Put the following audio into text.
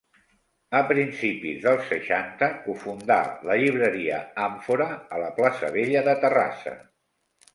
A principis dels seixanta, cofundà la llibreria Àmfora, a la Plaça Vella de Terrassa.